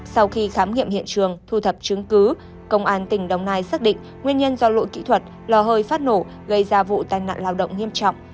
sau khi khám nghiệm hiện trường thu thập chứng cứ công an tỉnh đồng nai xác định nguyên nhân do lỗi kỹ thuật lò hơi phát nổ gây ra vụ tai nạn lao động nghiêm trọng